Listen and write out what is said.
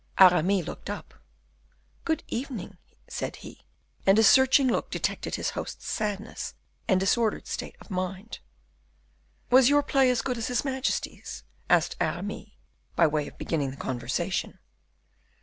Aramis looked up: "Good evening," said he; and his searching look detected his host's sadness and disordered state of mind. "Was your play as good as his majesty's?" asked Aramis, by way of beginning the conversation.